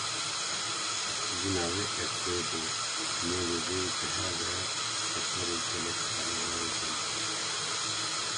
Jina wî Esê bû, mêrê wê dihere seferê gelek sala nayê gund